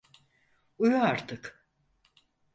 Uyu artık.